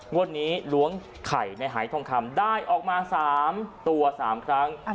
วันนี้ล้วงไข่ในหายทองคำได้ออกมา๓ตัว๓ครั้ง